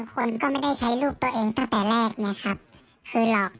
ก็จะได้อย่างที่เราอยากได้มากกว่า